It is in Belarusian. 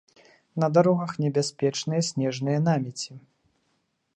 На дарогах небяспечныя снежныя намеці.